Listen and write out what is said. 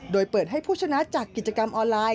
โดยเปิดให้ผู้ชนะจากกิจกรรมออนไลน์